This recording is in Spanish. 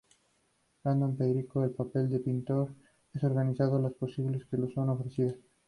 Rendón predicó: "el papel del pintor es organizar las posibilidades que le son ofrecidas".